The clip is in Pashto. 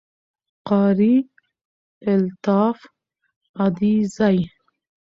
Qari Altaf Adezai